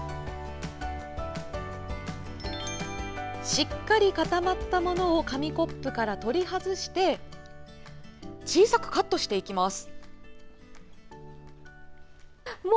しっかり固まったものを紙コップから取り外して小さくカットしていきます。